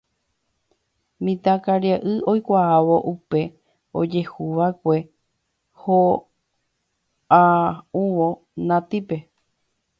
Mitãkaria'y oikuaávo upe ojehuva'ekue oha'uvõ Natípe